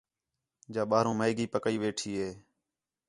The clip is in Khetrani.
جا ٻاہروں میگی پکئی ویٹھی ہے